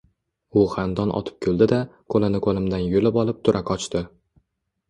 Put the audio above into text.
U xandon otib kuldi-da, qo‘lini qo‘limdan yulib olib tura qochdi.